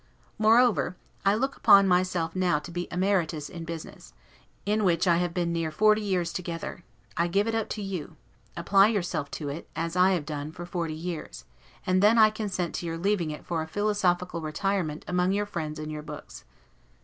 Moreover, I look upon myself now to be emeritus in business, in which I have been near forty years together; I give it up to you: apply yourself to it, as I have done, for forty years, and then I consent to your leaving it for a philosophical retirement among your friends and your books.